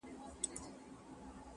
زه به د غم تخم کرم ژوندی به یمه-